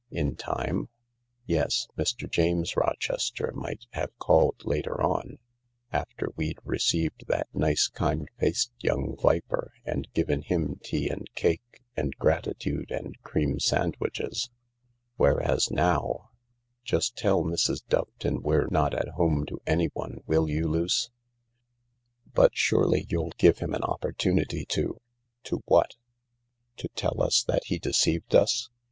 In time ?"" Yes. Mr. James Rochester might have called later on, after we'd received that nice, kind faced young viper and given him tea and cake and gratitude and cream sandwiches. Whereas now I ... Just tell Mrs. Doveton we're not at home to anyone, will you, Luce ?"" But surely you'll give him an opportunity to ..."" To what ? To tell us that he deceived us